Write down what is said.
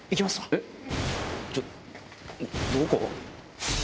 えっちょどこ？